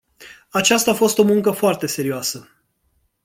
Aceasta a fost o muncă foarte serioasă.